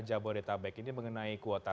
jabodetabek ini mengenai kuota